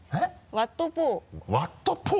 「ワット・ポー」？